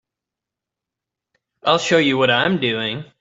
I'll show you what I'm doing.